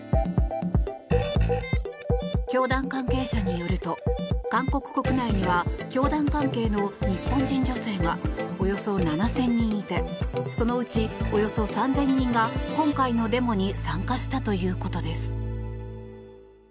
教団関係者によると韓国国内には教団関係の日本人女性がおよそ７０００人いてそのうち、およそ３０００人が今回のデモに参加したということです。